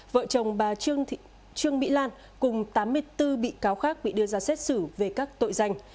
vợ chồng bà trương mỹ lan cùng tám mươi bốn bị cáo khác bị đưa ra xét xử về các tội danh